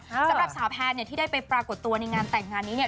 สำหรับสาวแพ้ที่ได้ไปปรากฏตัวในงานแต่งงานนี้